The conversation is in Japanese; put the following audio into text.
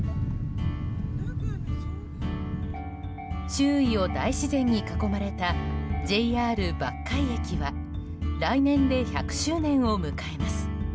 周囲を大自然に囲まれたＪＲ抜海駅は来年で１００周年を迎えます。